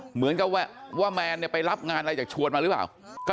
เหมือนกับว่าแมนไปรับงานอะไรจากชวนมาหรือเปล่า